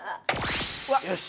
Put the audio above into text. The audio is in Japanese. よし！